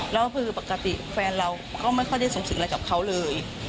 แล้วคือปกติแฟนเราก็ไม่ค่อยได้สูงถึงอะไรกับเขาเลย